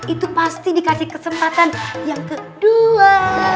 itu pasti dikasih kesempatan yang kedua